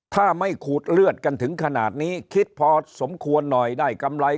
ถ้าไม่ขูดเลือดกันถึงขนาดนี้คิดพอสมควรหน่อยได้กำไร